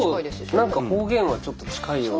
何か方言はちょっと近いような。